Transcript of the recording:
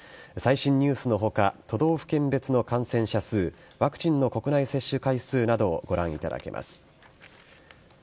最新ニュースのほか、都道府県別の感染者数、ワクチンの国内接種回数などをご覧いただけます。